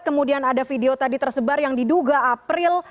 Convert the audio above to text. kemudian ada video tadi tersebar yang diduga april